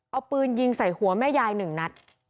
เอาปืนยิงใส่หัวแม่ยายหนึ่งนัด